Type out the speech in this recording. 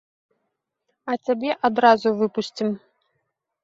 А цябе адразу выпусцім.